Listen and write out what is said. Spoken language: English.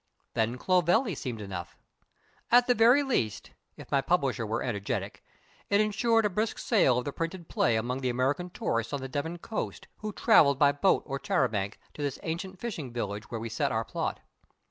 Then Clovelly seemed enough. At the very least if my publisher were energetic it ensured a brisk sale of the printed play among the American tourists on the Devon coast, who travel by boat or char a banc to this ancient fishing village where we set our plot.